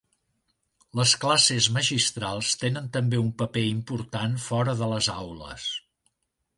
Les classes magistrals tenen també un paper important fora de les aules.